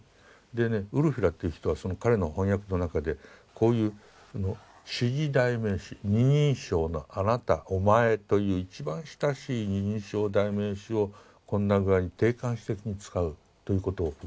でねウルフィラっていう人はその彼の翻訳の中でこういう指示代名詞二人称の「あなた」「お前」という一番親しい二人称代名詞をこんな具合に定冠詞的に使うということを僕見ましてね。